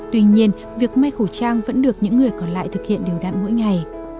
tuy nhiên việc may khẩu trang vẫn được những người còn lại thực hiện đều đặn mỗi ngày